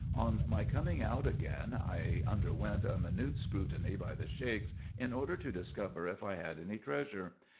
On my coming out again, I underwent a minute scrutiny by the Sheiks, in order to discover if I had any treasure.